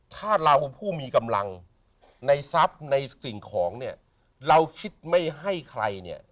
ถ้าเราผู้มีกำลังในทรัพย์ในสิ่งของเนี่ยเราคิดไม่ให้ใครเนี่ย